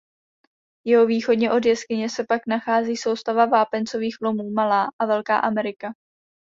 Jihovýchodně od jeskyně se pak nachází soustava vápencových lomů Malá a Velká Amerika.